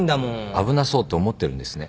危なそうって思ってるんですね。